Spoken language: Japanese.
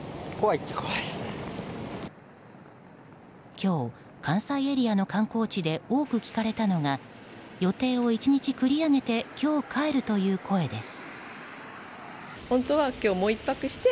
今日、関西エリアの観光地で多く聞かれたのが予定を１日繰り上げて今日帰るという声です。